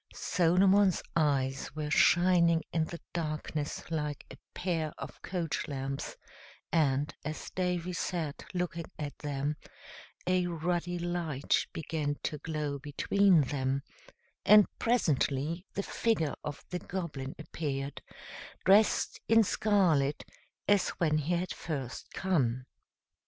Solomon's eyes were shining in the darkness like a pair of coach lamps, and, as Davy sat looking at them, a ruddy light began to glow between them, and presently the figure of the Goblin appeared, dressed in scarlet, as when he had first come.